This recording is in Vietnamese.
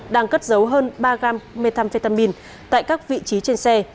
đang cất giấu hơn ba g methamphetamine tại các vị trí trên xe